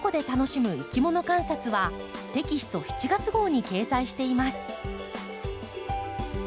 いきもの観察」はテキスト７月号に掲載しています。